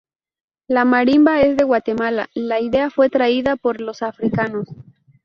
La marimba es de Guatemala la idea fue traída por los Africanos.